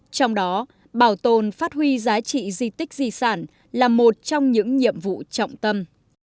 trong đó bảo tồn phát huy giá trị di tích di sản là một trong những nhiệm vụ trọng tâm